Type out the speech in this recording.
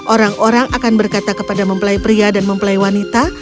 orang orang akan berkata kepada mempelai pria dan mempelai wanita